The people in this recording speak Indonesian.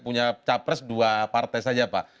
punya capres dua partai saja pak